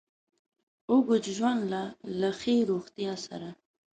اوږد ژوند له له ښې روغتیا سره